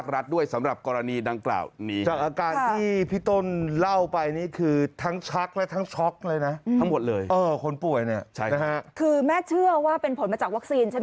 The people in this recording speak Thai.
เขาก็ไม่มาเขาทำปากดิ้ว